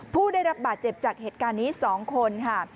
ผู้ได้รับบาดเจ็บจากเหตุการณ์นี้๒คนค่ะ